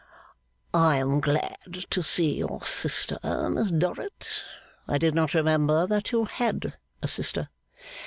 'I am glad to see your sister, Miss Dorrit. I did not remember that you had a sister.